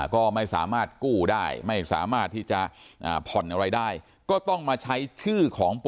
ก็ไม่สามารถกู้ได้ไม่สามารถที่จะผ่อนอะไรได้ก็ต้องมาใช้ชื่อของ